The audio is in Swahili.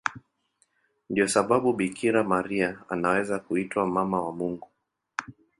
Ndiyo sababu Bikira Maria anaweza kuitwa Mama wa Mungu.